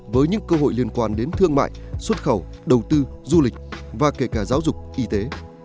với những cơ hội liên quan đến thương mại xuất khẩu đầu tư du lịch và kể cả giáo dục y tế